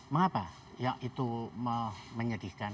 mengapa yang itu menyedihkan